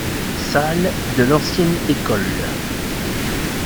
Salles de l’ancienne école.